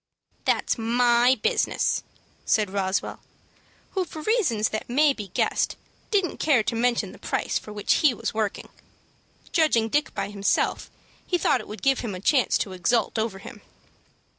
"That's my business," said Roswell, who, for reasons that may be guessed, didn't care to mention the price for which he was working. Judging Dick by himself, he thought it would give him a chance to exult over him.